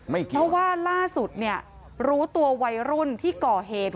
เพราะว่าล่าสุดเนี่ยรู้ตัววัยรุ่นที่ก่อเหตุ